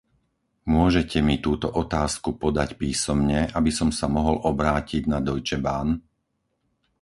Môžete mi túto otázku podať písomne, aby som sa mohol obrátiť na Deutsche Bahn?